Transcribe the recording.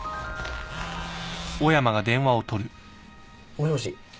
もしもし？